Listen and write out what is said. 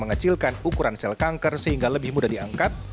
mengecilkan ukuran sel kanker sehingga lebih mudah diangkat